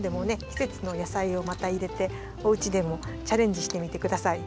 きせつのやさいをまたいれておうちでもチャレンジしてみてください。